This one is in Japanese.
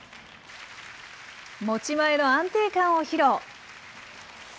持ち前の安定感を披露。